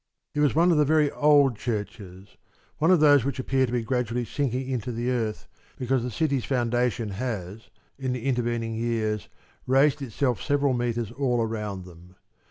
It was one of the very old churches one of those which appear to be gradually sinking into the earth because the city's foundation has, in the intervening years, raised itself several metres all around them.